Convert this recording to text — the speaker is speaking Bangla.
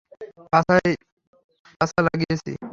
পাছায় পাছা লাগিয়েছি।